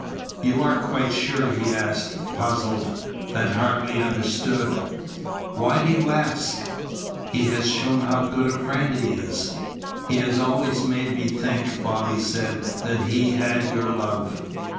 "You are quite sure," he asked, puzzled, "that Hartley understood?" "Why do you ask? He has shown how good a friend he is." "He has always made me think," Bobby said, "that he had your love.